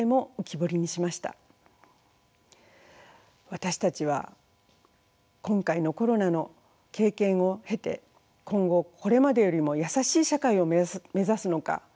私たちは今回のコロナの経験を経て今後これまでよりも優しい社会を目指すのか。